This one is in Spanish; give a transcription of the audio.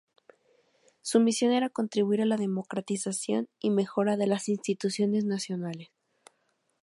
Su misión era contribuir a la democratización y mejora de las instituciones nacionales.